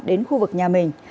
đến khu vực nhà mình